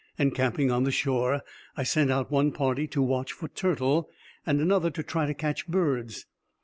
Encamping on the shore, I sent out one party to watch for turtle, and another to try to catch birds.